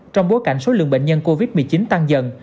trong bối cảnh số lượng bệnh nhân covid một mươi chín tăng dần